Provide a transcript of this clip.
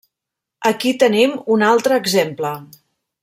Aquí tenim un altre exemple.